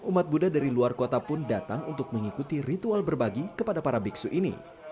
umat buddha dari luar kota pun datang untuk mengikuti ritual berbagi kepada para biksu ini